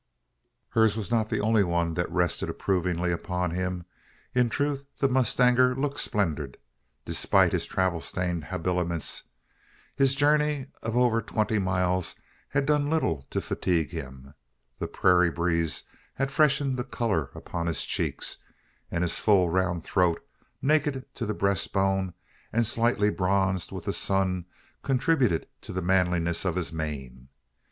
Hers was not the only one that rested approvingly upon him. In truth, the mustanger looked splendid, despite his travel stained habiliments. His journey of over twenty miles had done little to fatigue him. The prairie breeze had freshened the colour upon his cheeks; and his full round throat, naked to the breast bone, and slightly bronzed with the sun, contributed to the manliness of his mien.